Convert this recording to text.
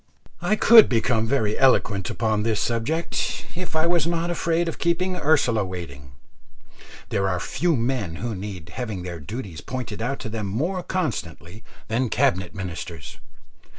I could become very eloquent upon this subject, if I was not afraid of keeping Ursula waiting. There are few men who need having their duties pointed out to them more constantly than Cabinet Ministers.